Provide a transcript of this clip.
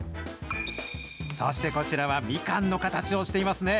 そしてこちらは、みかんの形をしていますね。